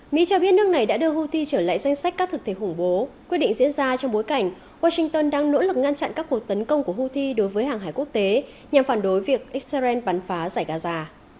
mỹ cho biết nước này đã đưa houthi trở lại danh sách các thực thể khủng bố quyết định diễn ra trong bối cảnh washington đang nỗ lực ngăn chặn các cuộc tấn công của houthi đối với hàng hải quốc tế nhằm phản đối việc israel bắn phá giải gaza